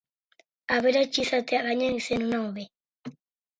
Aberats izatea baino, izen ona hobe.